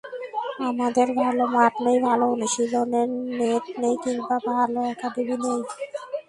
আমাদের ভালো মাঠ নেই, ভালো অনুশীলনের নেট নেই কিংবা ভালো একাডেমি নেই।